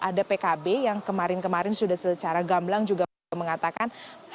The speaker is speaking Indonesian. ada pkb yang kemarin kemarin sudah secara gamblang juga mengatakan